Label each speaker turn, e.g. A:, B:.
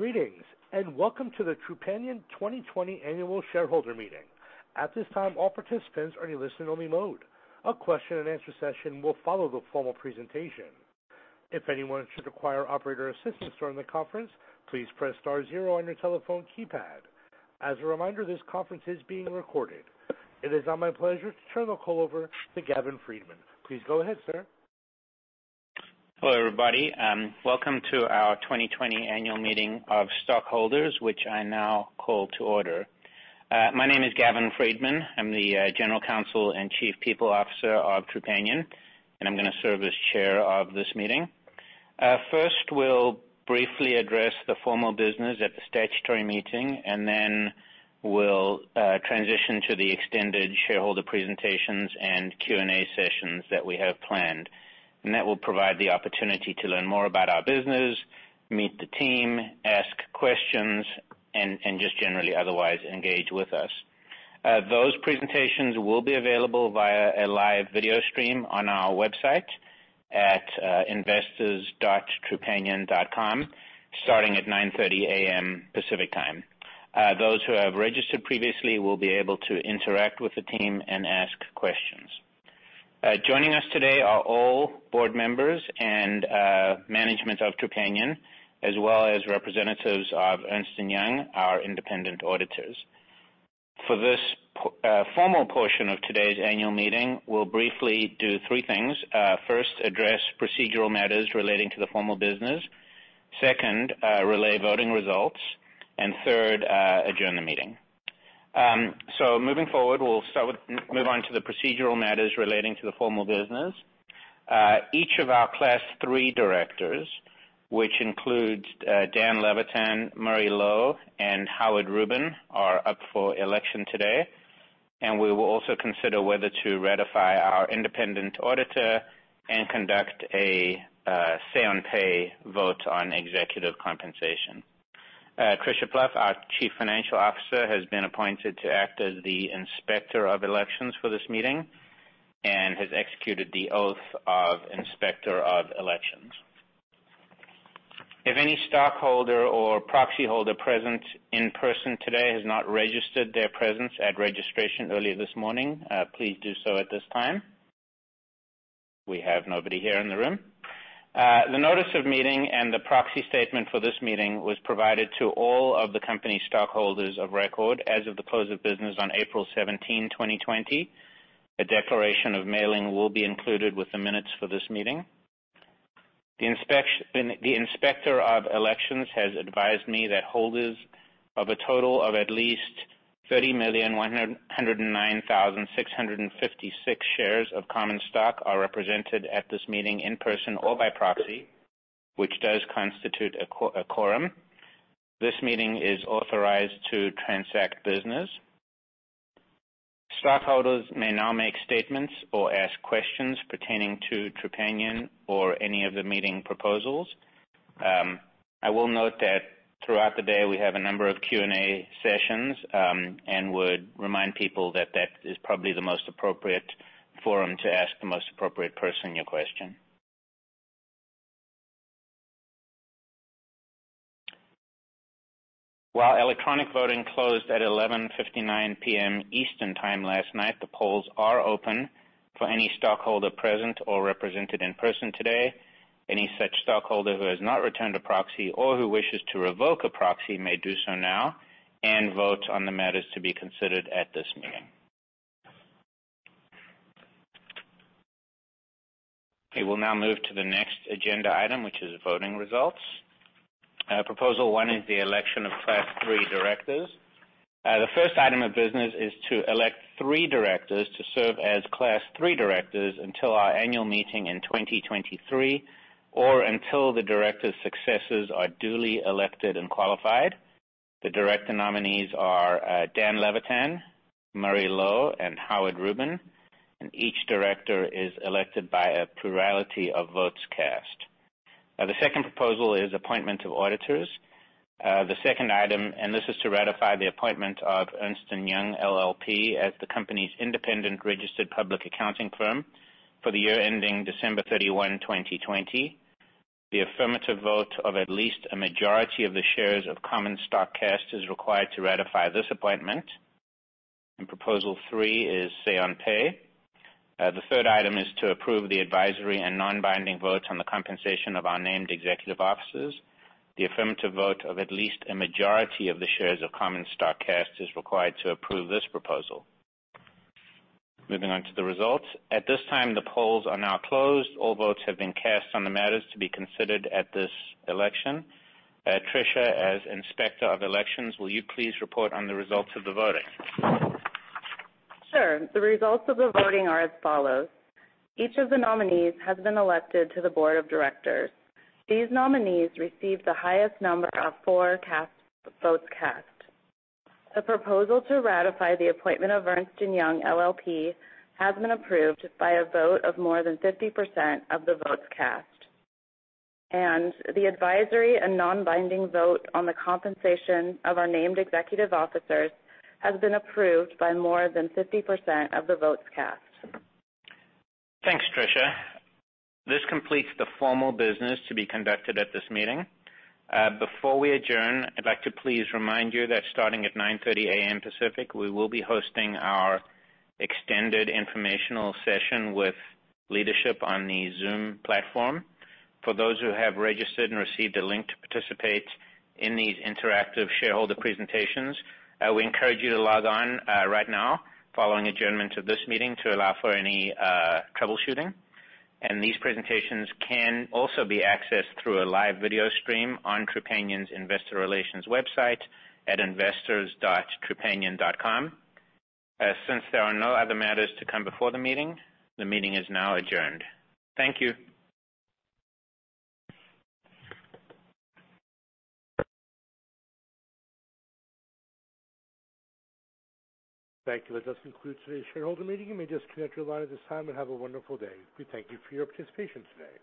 A: Greetings, and welcome to the Trupanion 2020 Annual Shareholder Meeting. At this time, all participants are in a listen-only mode. A question-and-answer session will follow the formal presentation. If anyone should require operator assistance during the conference, please press star zero on your telephone keypad. As a reminder, this conference is being recorded. It is my pleasure to turn the call over to Gavin Friedman. Please go ahead, sir.
B: Hello, everybody. Welcome to our 2020 Annual Meeting of Stockholders, which I now call to order. My name is Gavin Friedman. I'm the General Counsel and Chief People Officer of Trupanion, and I'm going to serve as Chair of this meeting. First, we'll briefly address the formal business at the statutory meeting, and then we'll transition to the extended shareholder presentations and Q&A sessions that we have planned, and that will provide the opportunity to learn more about our business, meet the team, ask questions, and just generally otherwise engage with us. Those presentations will be available via a live video stream on our website at investors.trupanion.com, starting at 9:30 A.M. Pacific Time. Those who have registered previously will be able to interact with the team and ask questions. Joining us today are all board members and management of Trupanion, as well as representatives of Ernst & Young, our independent auditors. For this formal portion of today's annual meeting, we'll briefly do three things. First, address procedural matters relating to the formal business. Second, relay voting results. And third, adjourn the meeting. So moving forward, we'll move on to the procedural matters relating to the formal business. Each of our Class III directors, which includes Dan Levitan, Murray Low, and Howard Rubin, are up for election today. And we will also consider whether to ratify our independent auditor and conduct a Say-on-Pay vote on executive compensation. Tricia Plouffe, our Chief Financial Officer, has been appointed to act as the Inspector of Elections, for this meeting and has executed the oath of Inspector of Elections. If any stockholder or proxy holder present in person today has not registered their presence at registration earlier this morning, please do so at this time. We have nobody here in the room. The notice of meeting and the proxy statement for this meeting was provided to all of the company stockholders of record as of the close of business on April 17, 2020. A declaration of mailing will be included with the minutes for this meeting. The Inspector of Elections, has advised me that holders of a total of at least 30,109,656 shares of common stock, are represented at this meeting in person or by proxy, which does constitute a quorum. This meeting is authorized to transact business. Stockholders, may now make statements or ask questions pertaining to Trupanion or any of the meeting proposals. I will note that throughout the day we have a number of Q&A sessions and would remind people that that is probably the most appropriate forum to ask the most appropriate person your question. While electronic voting closed at 11:59 P.M. Eastern Time last night, the polls are open for any stockholder present or represented in person today. Any such stockholder who has not returned a proxy or who wishes to revoke a proxy may do so now and vote on the matters to be considered at this meeting. We will now move to the next agenda item, which is voting results. Proposal one is the election of Class III directors. The first item of business is to elect three directors to serve as Class III directors until our annual meeting in 2023 or until the director's successors are duly elected and qualified. The nominees are Dan Levitan, Murray Low, and Howard Rubin, and each director is elected by a plurality of votes cast. The second proposal is appointment of auditors. The second item, and this is to ratify the appointment of Ernst & Young LLP, as the company's independent registered public accounting firm for the year ending December 31, 2020. The affirmative vote of at least a majority of the shares of common stock cast is required to ratify this appointment. And proposal three is Say-on-pay. The third item is to approve the advisory and non-binding votes on the compensation of our named executive officers. The affirmative vote of at least a majority of the shares of common stock cast is required to approve this proposal. Moving on to the results. At this time, the polls are now closed. All votes have been cast on the matters to be considered at this election. Tricia, as Inspector of Elections, will you please report on the results of the voting?
C: Sir, the results of the voting are as follows. Each of the nominees has been elected to the board of directors. These nominees received the highest number of votes cast. The proposal to ratify the appointment of Ernst & Young LLP, has been approved by a vote of more than 50% of the votes cast, and the advisory and non-binding vote on the compensation of our named executive officers has been approved by more than 50% of the votes cast.
B: Thanks, Tricia. This completes the formal business to be conducted at this meeting. Before we adjourn, I'd like to please remind you that starting at 9:30 A.M. Pacific, we will be hosting our extended informational session with leadership on the Zoom platform. For those who have registered and received a link to participate in these interactive shareholder presentations, we encourage you to log on right now following adjournment of this meeting to allow for any troubleshooting. And these presentations can also be accessed through a live video stream on Trupanion's investor relations website at investors.trupanion.com. Since there are no other matters to come before the meeting, the meeting is now adjourned. Thank you.
A: Thank you. That does conclude today's shareholder meeting. You may disconnect your line at this time and have a wonderful day. We thank you for your participation today.